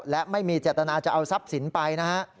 และไม่มีเจตนาจะเอาทรัพย์สินไปนะฮะ